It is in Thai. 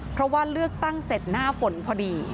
เพราะว่าเลือกตั้งเสร็จหน้าฝนพอดี